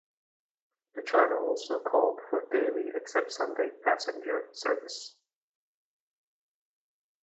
The charter also called for daily-except-Sunday passenger service.